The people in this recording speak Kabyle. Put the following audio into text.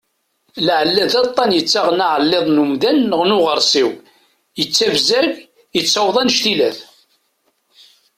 Lɛella d aṭan yettaɣen aɛelliḍ n umdan neɣ n uɣarsiw, yettabzag yettaweḍ anec-ilat.